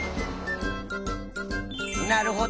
なるほど。